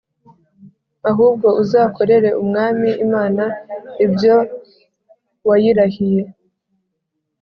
ahubwo uzakorere Umwami Imana ibyo wayirahiye